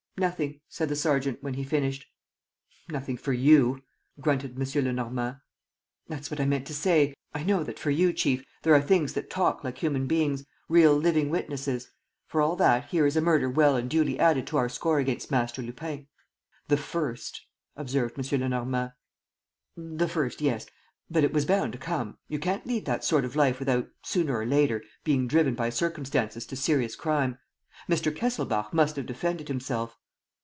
"Nothing," said the sergeant, when he finished. "Nothing for you!" grunted M. Lenormand. "That's what I meant to say. ... I know that, for you, chief, there are things that talk like human beings, real living witnesses. For all that, here is a murder well and duly added to our score against Master Lupin." "The first," observed M. Lenormand. "The first, yes. ... But it was bound to come. You can't lead that sort of life without, sooner or later, being driven by circumstances to serious crime. Mr. Kesselbach must have defended himself.